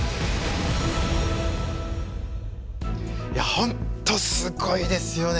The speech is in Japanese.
本当すごいですよね。